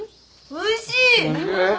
おいしい。